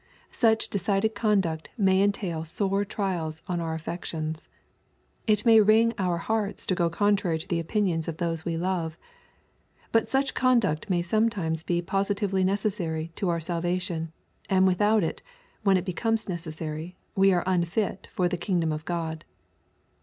Such decided conduct may entail sore trials on our affections. It may wring our hearts to go contrary to the opinions of those we love. — But such conduct may sometimes l>e positively necessary to our salvation^ and without it^ when \\ becomes necessary, we are unfit for the kingdom of Gk)d.